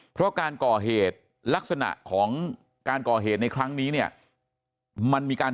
เพราะการก่อเหตุลักษณะของการก่อเหตุในครั้งนี้เนี่ยมันมีการ